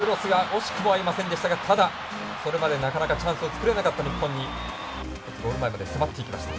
日本は宮澤から右サイドに展開して最後、クロスが惜しくも合いませんでしたがただ、それまでなかなかチャンスを作れなかった日本にゴールに迫っていきました。